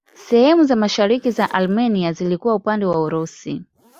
Sehemu za mashariki za Armenia zilikuwa upande wa Urusi.